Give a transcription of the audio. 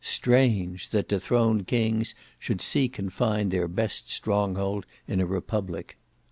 Strange! that dethroned kings should seek and find their best strong hold in a Republic."